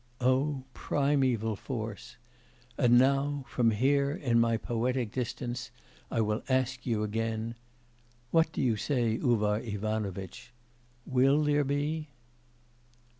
O primeval force! And now from here in "my poetic distance," I will ask you again: "What do you say, Uvar Ivanovitch, will there be?"